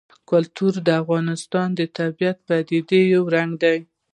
کلتور د افغانستان د طبیعي پدیدو یو رنګ دی.